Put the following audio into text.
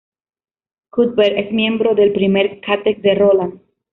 Cuthbert es miembro del primer ka-tet de Roland.